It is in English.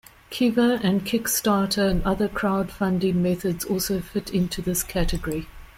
Kiva and Kickstarter and other crowdfunding methods also fit in this category.